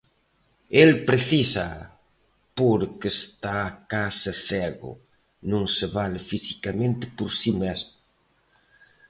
El precísaa porque está case cego, non se vale fisicamente por si mesmo.